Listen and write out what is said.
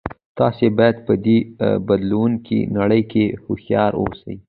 تاسې باید په دې بدلیدونکې نړۍ کې هوښیار اوسئ